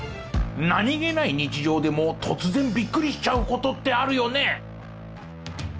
何げない日常でも突然ビックリしちゃう事ってあるよね。